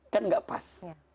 kan gak pas